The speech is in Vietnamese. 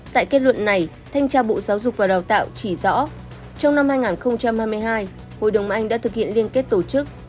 tại kết luận này thanh tra bộ giáo dục và đào tạo chỉ rõ trong năm hai nghìn hai mươi hai hội đồng anh đã thực hiện liên kết tổ chức